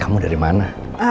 kamu dari mana